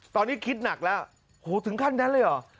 ตอนนี้คิดหนักแล้วโหถึงขั้นนั้นเลยเหรอ